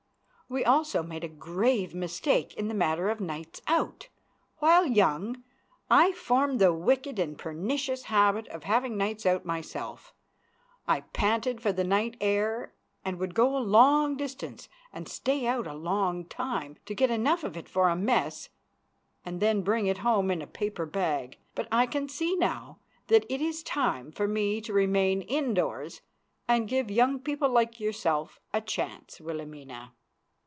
We also made a grave mistake in the matter of nights out. While young, I formed the wicked and pernicious habit of having nights out myself. I panted for the night air and would go a long distance and stay out a long time to get enough of it for a mess and then bring it home in a paper bag, but I can see now that it is time for me to remain indoors and give young people like yourself a chance, Wilhelmina.